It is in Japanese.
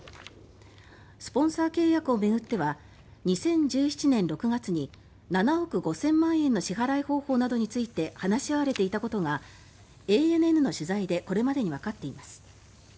スポンサー契約を巡っては２０１７年６月に７億５０００万円の支払い方法などについて話し合われていたことがＡＮＮの取材でこれまでにわかっています。